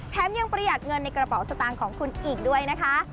ยังประหยัดเงินในกระเป๋าสตางค์ของคุณอีกด้วยนะคะ